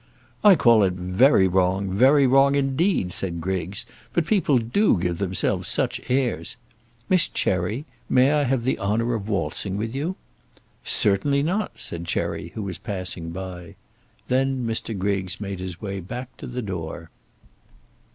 "I call it very wrong; very wrong, indeed," said Griggs; "but people do give themselves such airs! Miss Cherry, may I have the honour of waltzing with you?" "Certainly not," said Cherry, who was passing by. Then Mr. Griggs made his way back to the door.